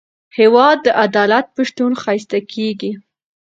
هېواد د عدالت په شتون ښایسته کېږي.